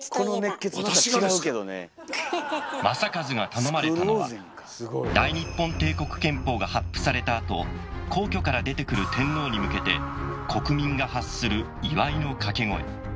私がですか⁉正一が頼まれたのは大日本帝国憲法が発布されたあと皇居から出てくる天皇にむけて国民が発する祝いの掛け声。